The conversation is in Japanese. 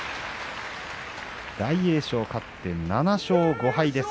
大栄翔、勝って７勝５敗です。